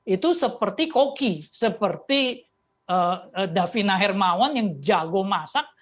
itu seperti koki seperti davina hermawan yang jago masak